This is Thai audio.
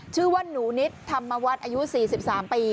ชื่อว่าหนูนิดธรรมวัฒน์อายุ๔๓ปี